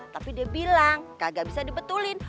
tapi dia bilang kagak bisa dibetulin